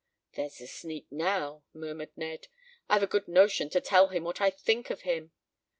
"There's the sneak now," murmured Ned. "I've a good notion to tell him what I think of him."